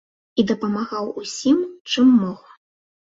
І дапамагаў усім, чым мог.